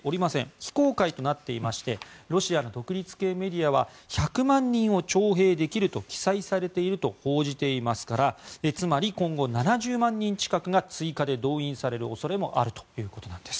非公開となっていましてロシアの独立系メディアは１００万人を徴兵できると記載されていると報じていますからつまり、今後７０万人近くが追加で動員される恐れもあるということなんです。